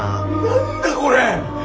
何だこれ！